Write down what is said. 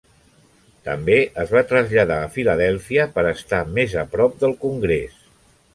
També es va traslladar a Filadèlfia per estar més a prop del Congrés.